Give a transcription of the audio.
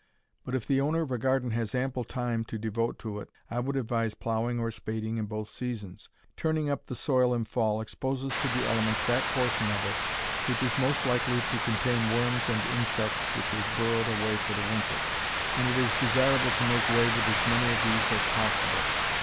But if the owner of a garden has ample time to devote to it, I would advise plowing or spading in both seasons. Turning up the soil in fall exposes to the elements that portion of it which is most likely to contain worms and insects which have burrowed away for the winter, and it is desirable to make way with as many of these as possible.